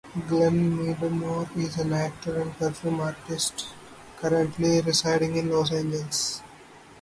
Glen Meadmore is an actor and performance artist currently residing in Los Angeles.